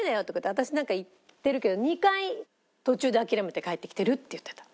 「私なんか行ってるけど２回途中で諦めて帰ってきてる」って言ってた。